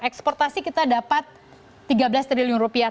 eksportasi kita dapat tiga belas triliun rupiah